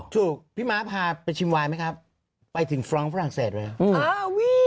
ถูกพี่ม้าพาไปชิมไวน์ไหมครับไปถึงฟร้องฟรั่งเศสเลย